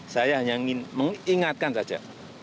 saya hanya ingin mengingatkan saja